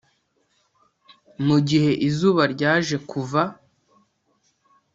Mu gihe izuba ryaje kuva